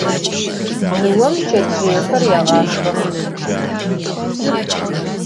Nıom çetzjıêxer yêğaşşxex.